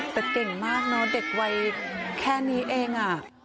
แต่เก่งมากเนอะเด็กวัยแค่นี้เอง